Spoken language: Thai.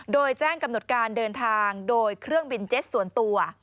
โดยแจ้งกำหนดการเดินทางโดยเครื่องบินเจ็ตส่วนตัว